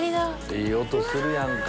いい音するやんか！